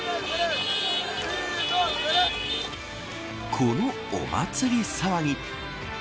このお祭り騒ぎ。